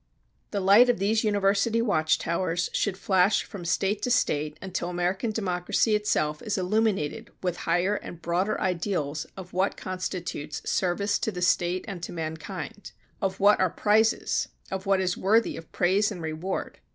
The light of these university watch towers should flash from State to State until American democracy itself is illuminated with higher and broader ideals of what constitutes service to the State and to mankind; of what are prizes; of what is worthy of praise and reward.